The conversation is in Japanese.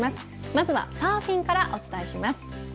まずはサーフィンからお伝えします。